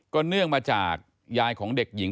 เนื่องมาจากยายของเด็กหญิง